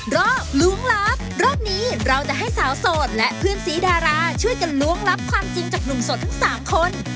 ล้วงลับรอบนี้เราจะให้สาวโสดและเพื่อนสีดาราช่วยกันล้วงลับความจริงจากหนุ่มโสดทั้ง๓คน